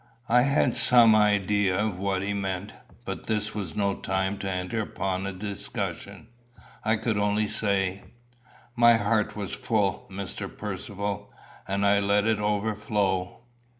I had some idea of what he meant; but this was no time to enter upon a discussion. I could only say "My heart was full, Mr. Percivale, and I let it overflow."